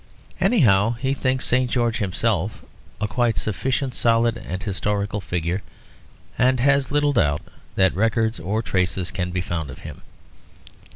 Anyhow he thinks St. George himself a quite sufficiently solid and historical figure; and has little doubt that records or traces can be found of him.